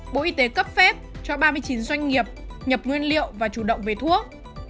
bộ y tế cấp phép cho ba mươi chín doanh nghiệp nhập nguyên liệu và chủ động về thuốc